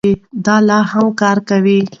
دی لا هم کار کوي.